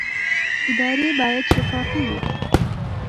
ادارې باید شفافې وي